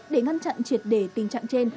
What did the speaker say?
để ngăn chặn triệt để tình trạng trên